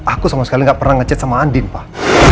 aku sama sekali gak pernah ngecet sama andin pak